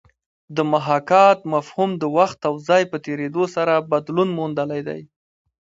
د محاکات مفهوم د وخت او ځای په تېرېدو سره بدلون موندلی دی